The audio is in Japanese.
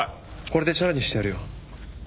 これでチャラにしてやるよ。